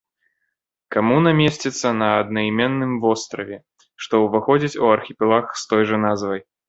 Камуна месціцца на аднайменным востраве, што ўваходзіць у архіпелаг з той жа назвай.